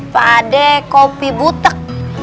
pak ade kopi buteg